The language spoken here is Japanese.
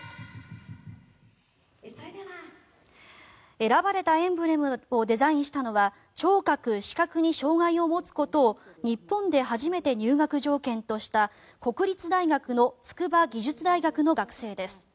選ばれたエンブレムをデザインしたのは聴覚・視覚に障害を持つことを日本で初めて入学条件とした国立大学の筑波技術大学の学生です。